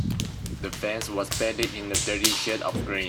The fence was painted in a dirty shade of green.